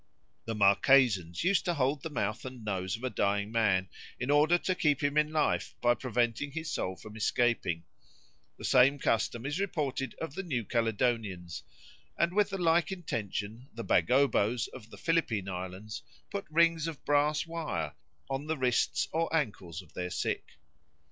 The Marquesans used to hold the mouth and nose of a dying man, in order to keep him in life by preventing his soul from escaping; the same custom is reported of the New Caledonians; and with the like intention the Bagobos of the Philippine Islands put rings of brass wire on the wrists or ankles of their sick.